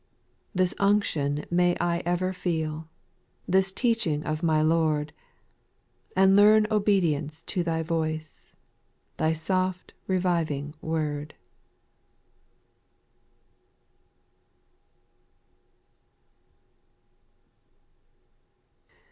/ 5 / This unction may I ever feel. This teaching of my Lord, And learn obedience to Thy voice. Thy soft reviving word.